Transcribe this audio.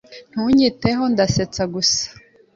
Ntunyiteho. Ndasetsa gusa.